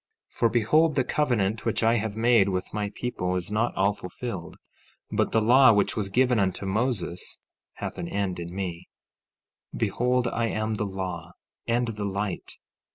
15:8 For behold, the covenant which I have made with my people is not all fulfilled; but the law which was given unto Moses hath an end in me. 15:9 Behold, I am the law, and the light.